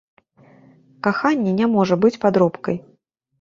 Каханне не можа быць падробкай.